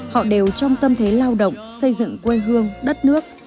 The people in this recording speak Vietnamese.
họ đều trong tâm thế lao động xây dựng quê hương đất nước